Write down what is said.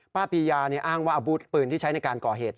ปียาอ้างว่าอาวุธปืนที่ใช้ในการก่อเหตุ